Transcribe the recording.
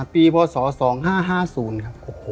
พศ๒๕๕๐ครับ